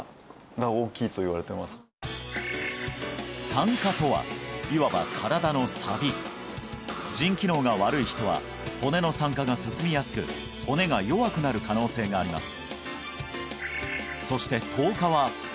酸化とはいわば身体のサビ腎臓機能が悪い人は骨の酸化が進みやすく骨が弱くなる可能性があります